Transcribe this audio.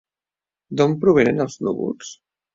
D'on provenen els núvols?